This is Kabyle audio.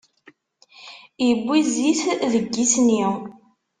Iwwi zzit deg isni.